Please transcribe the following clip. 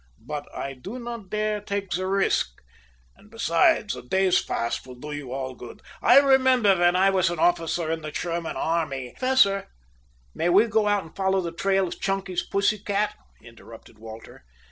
But I do not dare take the risk. And, besides, a day's fast will do you all good. I remember when I was an officer in the German army " "Professor, may we go out and follow the trail of Chunky's pussy cat?" interrupted Walter.